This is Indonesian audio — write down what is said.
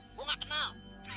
aku tidak kenal